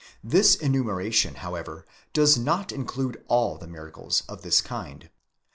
This enumeration, however, does not include all the miracles of this kind.